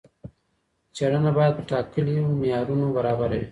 څېړنه باید په ټاکلو معیارونو برابره وي.